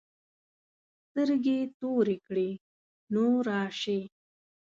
سترګې تورې کړې نو راشې.